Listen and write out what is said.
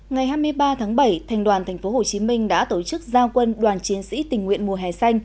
ngày hai mươi ba tháng bảy thành đoàn tp hcm đã tổ chức giao quân đoàn chiến sĩ tình nguyện mùa hè xanh